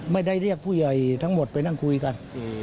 ไม่ได้เรียกผู้ใหญ่ทั้งหมดไปนั่งคุยกัน